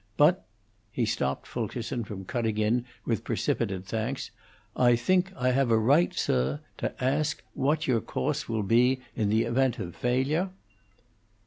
But" he stopped Fulkerson from cutting in with precipitate thanks "I think I have a right, sir, to ask what your course will be in the event of failure?"